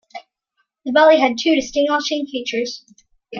The valley has two distinguishing features.